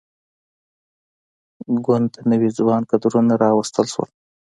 ګوند ته نوي ځوان کدرونه راوستل شول.